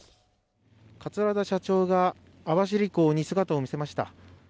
桂田社長が網走港に姿を見せました。